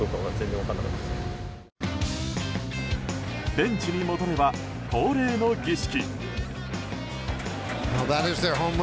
ベンチに戻れば恒例の儀式。